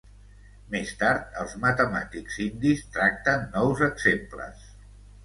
Més tard els matemàtics indis tracten nous exemples.